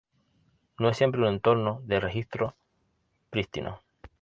No es siempre un entorno de registro prístino.